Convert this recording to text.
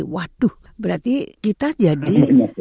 waduh berarti kita jadi